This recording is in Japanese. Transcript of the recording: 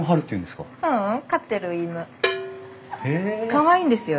かわいいんですよ。